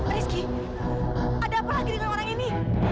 rizky ada apa lagi dengan orang ini